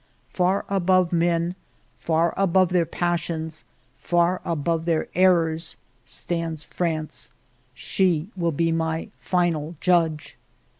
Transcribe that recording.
Far above men, far above their pas sions, far above their errors, stands France ; she will be my final judge.